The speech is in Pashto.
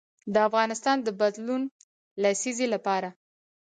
د افغانستان د بدلون لسیزې لپاره.